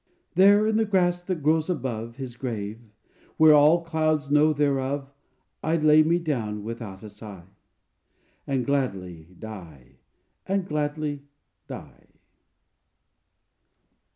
"There in the grass that grows above His grave, where all could know thereof, I'd lay me down without a sigh, And gladly die, and gladly die."